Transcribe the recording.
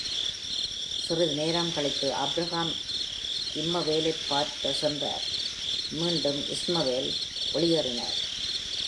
சிறிது நேரம் கழித்து, ஆபிரகாம் இஸ்மவேலைப் பார்க்க சென்றார், மீண்டும் இஸ்மவேல் வெளியேறினார்.